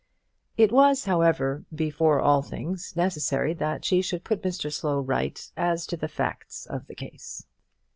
It was, however, before all things necessary that she should put Mr Slow right as to the facts of the case.